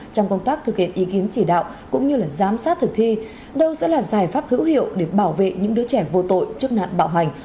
trong công tác thực hiện ý kiến chỉ đạo cũng như giám sát thực thi đâu sẽ là giải pháp hữu hiệu để bảo vệ những đứa trẻ vô tội trước nạn bạo hành